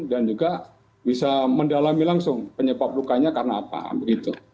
dan juga bisa mendalami langsung penyebab lukanya karena apa begitu